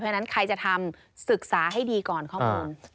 เพราะฉะนั้นใครจะทำศึกษาให้ดีก่อนข้อมูล